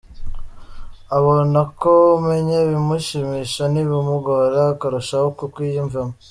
Abona ko umenya ibimushimisha n’ibimugora akarushaho kukwiyumvamo.